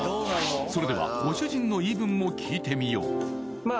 それではご主人の言い分も聞いてみようまあ